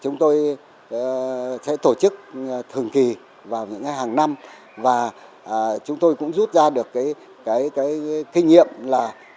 chúng tôi sẽ tổ chức thường kỳ vào những hàng năm và chúng tôi cũng rút ra được cái kinh nghiệm là